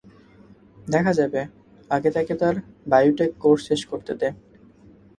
দেখা যাবে, আগে তাকে তার বায়ো টেক কোর্স শেষ করতে দে।